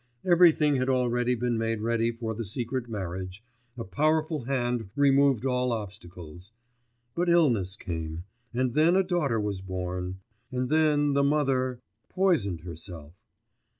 Everything had already been made ready for the secret marriage, a powerful hand removed all obstacles.... But illness came ... and then a daughter was born, and then the mother ... poisoned herself.